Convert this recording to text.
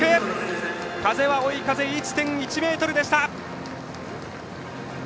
風は追い風１．１メートルでした。